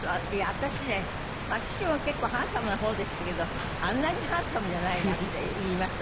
私ね父も結構ハンサムな方でしたけど「あんなにハンサムじゃないな」って言いました